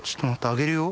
上げるよ。